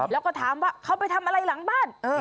แล้วก็ถามว่าเขาไปทำอะไรหลังบ้าน